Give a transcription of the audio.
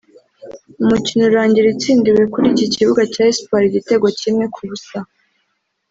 umukino urangira itsindiwe kuri iki kibuga cya Espoir igitego kimwe ku busa